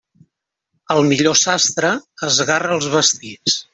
El millor sastre esgarra els vestits.